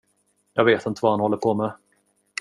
Jag vet inte vad han håller på med.